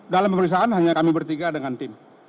dalam pemeriksaan hanya kami bertiga dengan tim